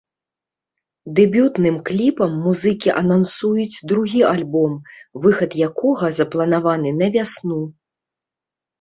Дэбютным кліпам музыкі анансуюць другі альбом, выхад якога запланаваны на вясну.